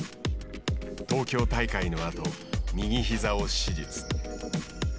東京大会のあと、右ひざを手術。